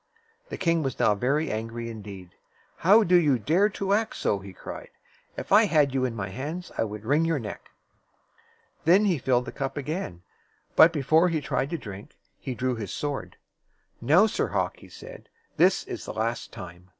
The king was now very angry indeed. "How do you dare to act so?" he cried. "If I had you in my hands, I would wring your neck!" Then he filled the cup again. But before he tried to drink, he drew his sword. "Now, Sir Hawk," he said, "this is the last time."